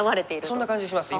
そんな感じします。